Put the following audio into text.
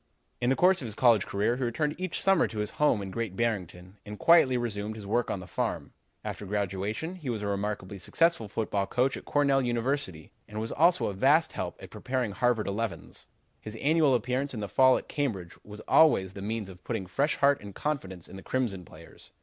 "In the course of his college career he returned each summer to his home in Great Barrington and quietly resumed his work on the farm. "After graduation he was a remarkably successful football coach at Cornell University, and was also a vast help in preparing Harvard elevens. His annual appearance in the fall at Cambridge was always the means of putting fresh heart and confidence in the Crimson players.